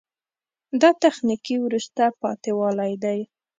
دا تخنیکي وروسته پاتې والی ده.